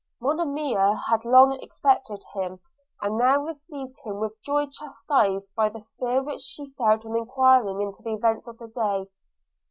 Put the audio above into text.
Monimia had long expected him, and now received him with joy chastised by the fear which she felt on enquiring into the events of the day.